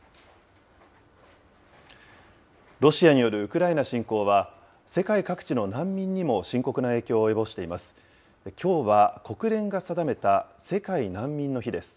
ロシアによるウクライナ侵攻は、世界各地の難民にも深刻な影響を及ぼしています。